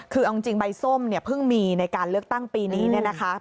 คือเอาจริงใบส้มเนี่ยเพิ่งมีในการเลือกตั้งปีนี้เนี่ยนะคะ